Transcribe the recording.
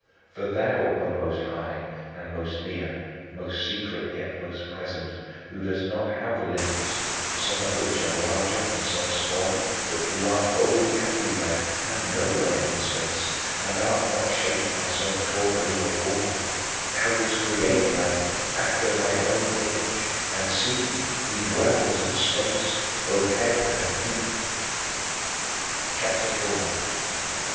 For thou, O Most High, and most near, most secret, yet most present, who dost not have limbs, some of which are larger and some smaller, but who art wholly everywhere and nowhere in space, and art not shaped by some corporeal form: thou didst create man after thy own image and, see, he dwells in space, both head and feet. CHAPTER IV 5.